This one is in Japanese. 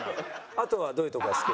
あとはどういうとこが好き？